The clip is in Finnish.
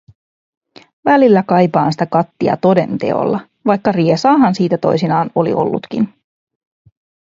Välillä kaipaan sitä kattia toden teolla, vaikka riesaahan sitä toisinaan oli ollutkin.